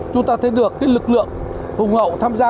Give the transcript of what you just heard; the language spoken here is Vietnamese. chúng ta thấy được cái lực lượng hùng hậu tham gia